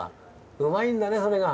うまいんだねそれが。